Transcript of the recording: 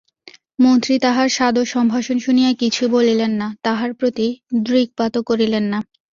মন্ত্রী তাহার সাদর সম্ভাষণ শুনিয়া কিছুই বলিলেন না, তাহার প্রতি দৃকপাতও করিলেন না।